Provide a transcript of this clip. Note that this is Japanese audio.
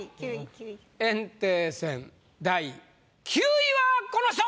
炎帝戦第９位はこの人！